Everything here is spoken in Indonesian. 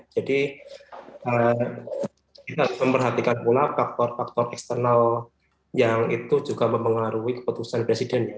jadi kita harus memperhatikan pula faktor faktor eksternal yang itu juga mempengaruhi keputusan presiden ya